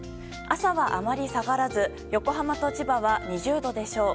朝は、あまり下がらず横浜と千葉は２０度でしょう。